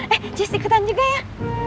eh just ikutan juga ya